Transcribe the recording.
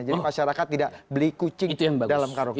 jadi masyarakat tidak beli kucing dalam karun